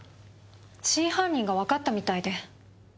真犯人がわかったみたいで。